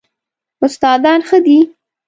استادان ښه دي؟